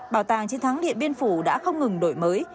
bảo tàng chiến thắng điện biên phủ đã không ngừng đổi mới